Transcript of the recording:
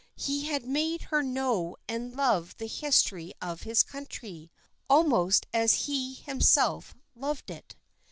He had made her know and love the history of his country, almost as he himself loved it.